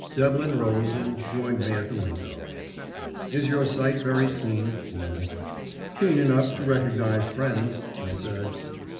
Devlin rose, and joined me at the window. "Is your sight very keen?" he asked. "Keen enough to recognise friends," I said.